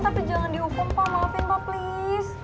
tapi jangan dihukum pak maafin pak please